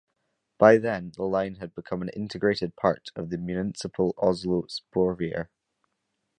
By then, the line had become an integrated part of the municipal Oslo Sporveier.